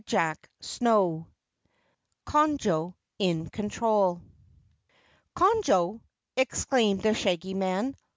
CHAPTER 22 Conjo in Control "Conjo!" exclaimed the Shaggy Man.